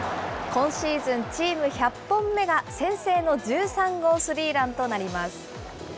今シーズン、チーム１００本目が、先制の１３号スリーランとなります。